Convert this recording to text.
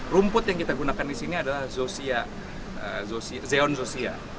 rumput yang kita gunakan di sini adalah zeon zoysia